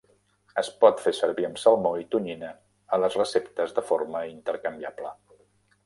Es pot fer servir amb salmó i tonyina a les receptes de forma intercanviable.